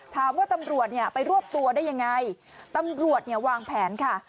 ตำรวจเนี่ยไปรวบตัวได้ยังไงตำรวจเนี่ยวางแผนค่ะ